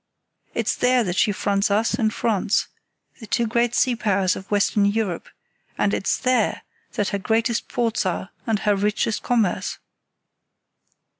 It's there that she fronts us and France, the two great sea powers of Western Europe, and it's there that her greatest ports are and her richest commerce.